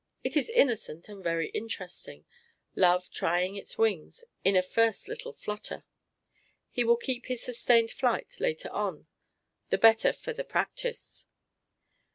It is innocent and very interesting, love trying his wings in a first little flutter. He will keep his sustained flight later on, the better for the practice.